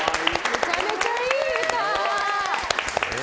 めちゃめちゃいい歌！